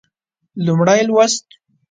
لومړی لوست